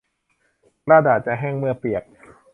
กระดาษจะแห้งเมื่อเปียก